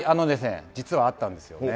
実はあったんですよね。